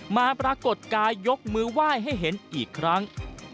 ปรากฏกายยกมือไหว้ให้เห็นอีกครั้ง